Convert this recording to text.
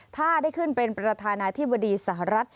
ถ้าได้ขึ้นเป็นประธานาธิบดีสหรัฐ